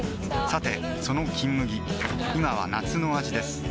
さてその「金麦」今は夏の味です